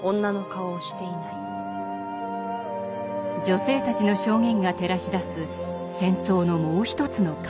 女性たちの証言が照らし出す戦争のもう一つの顔。